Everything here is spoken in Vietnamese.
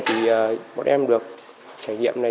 thì bọn em được trải nghiệm này